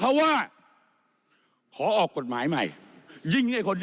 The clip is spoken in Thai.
อือฮืออ่อเนี่ยคุณวิทยาหันมาสดุงนิดนึงนะฮะ